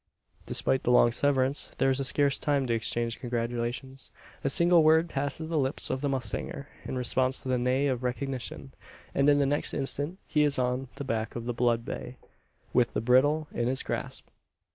Despite the long severance, there is scarce time to exchange congratulations. A single word passes the lips of the mustanger, in response to the neigh of recognition; and in the next instant he is on the back of the blood bay, with the bridle in his grasp.